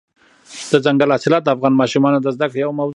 دځنګل حاصلات د افغان ماشومانو د زده کړې یوه موضوع ده.